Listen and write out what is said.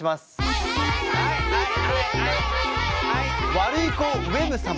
ワルイコウェブ様。